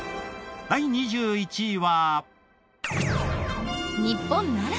第２１位は。